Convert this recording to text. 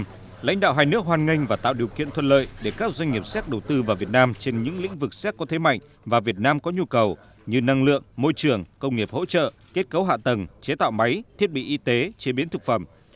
tại cuộc hội đàm lãnh đạo hai nước hoàn nganh và tạo điều kiện thuận lợi để các doanh nghiệp séc đầu tư vào việt nam trên những lĩnh vực séc có thế mạnh và việt nam có nhu cầu như năng lượng môi trường công nghiệp hỗ trợ kết cấu hạ tầng chế tạo máy thiết bị y tế chế biến thực phẩm